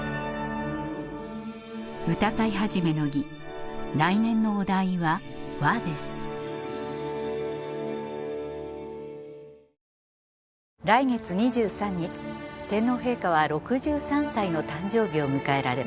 歌会始の儀来月２３日天皇陛下は６３歳の誕生日を迎えられます。